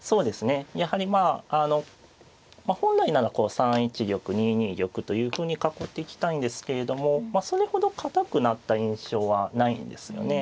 やはりまあ本来ならこう３一玉２二玉というふうに囲っていきたいんですけれどもそれほど堅くなった印象はないんですよね。